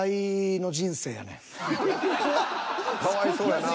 かわいそうやなぁ。